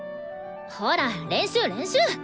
ほら練習練習！